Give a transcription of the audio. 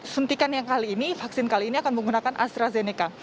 suntikan yang kali ini vaksin kali ini akan menggunakan astrazeneca